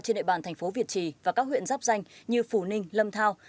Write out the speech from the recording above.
trên địa bàn thành phố việt trì và các huyện dắp danh như phú ninh lâm thao